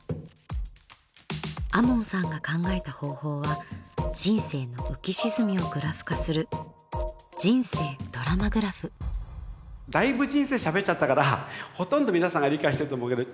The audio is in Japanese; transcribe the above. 亞門さんが考えた方法は人生の浮き沈みをグラフ化するだいぶ人生しゃべっちゃったからほとんど皆さんが理解してると思うけど。